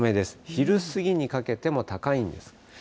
昼過ぎにかけても高いんです。